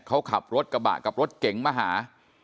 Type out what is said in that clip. เขาขับรถกระบะกับรถเก๋งมาหา